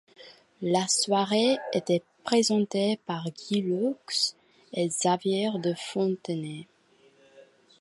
La soirée était présentée par Guy Lux et Xavier de Fontenay.